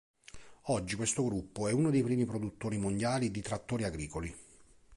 Oggi questo gruppo è uno dei primi produttori mondiali di trattori agricoli.